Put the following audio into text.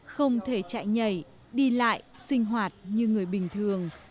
không thể chạy nhảy đi lại sinh hoạt như người bình thường